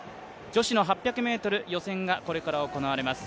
女子の８００ｍ予選がこれから行われます。